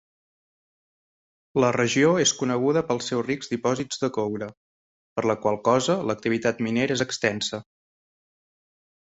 La regió és coneguda pels seus rics dipòsits de coure, per la qual cosa l'activitat minera és extensa.